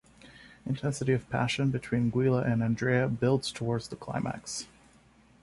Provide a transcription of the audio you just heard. Intensity of passion between Giulia and Andrea builds towards the climax.